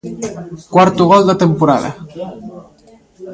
Cuarto gol da temporada.